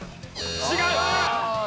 違う！